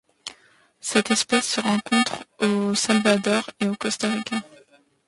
Cette espèce se rencontre au Salvador et au Costa Rica.